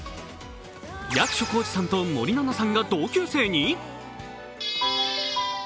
役所広司さんと森七菜さんが同級生に？